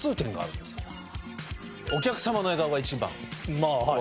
まあはい。